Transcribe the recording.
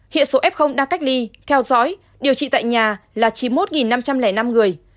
hiện số f đang cách ly theo dõi điều trị tại nhà là chín mươi một năm trăm linh năm người